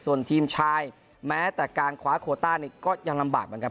ส่วนทีมชายแม้แต่การคว้าโคต้านี่ก็ยังลำบากเหมือนกัน